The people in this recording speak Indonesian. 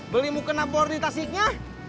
beli mukena bor di tasiknya